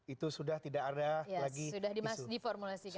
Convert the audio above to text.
itu sudah tidak ada lagi isu